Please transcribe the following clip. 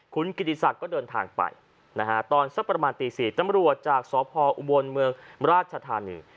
คุณกิติศักดิ์ก็เดินทางไปนะฮะตอนสักประมาณตี๔ตำรวจจากสพออุบลเมืองราชธานี